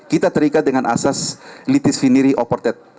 kita terikat dengan asas litis finiri oportet